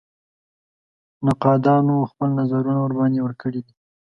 نقادانو خپل نظرونه ورباندې ورکړي دي.